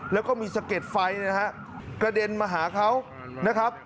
แล้วก็มีสะเก็ดไฟนะฮะกระเด็นมาหาเขานะครับ